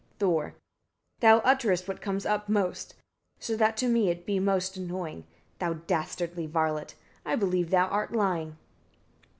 Thor. 49. Thou utterest what comes upmost, so that to me it be most annoying, thou dastardly varlet! I believe thou art lying.